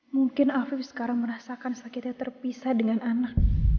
mungkin afif sekarang merasakan sakitnya terpisah dengan anak